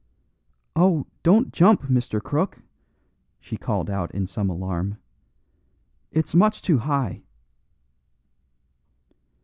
"Oh, don't jump, Mr. Crook," she called out in some alarm; "it's much too high."